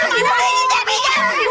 di mana si jejen